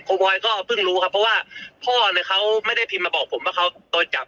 คุณบอยก็เพิ่งรู้ครับเพราะว่าพ่อเนี่ยเขาไม่ได้พิมพ์มาบอกผมว่าเขาโดนจับ